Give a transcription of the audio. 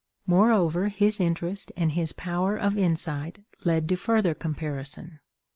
Moreover, his interest and his power of insight led to further comparison.